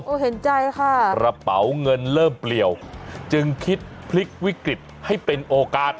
เห็นใจค่ะกระเป๋าเงินเริ่มเปลี่ยวจึงคิดพลิกวิกฤตให้เป็นโอกาส